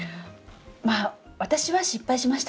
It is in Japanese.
まあ私は失敗しましたけど。